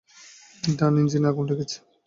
ডান ইঞ্জিনে আগুন লেগেছে।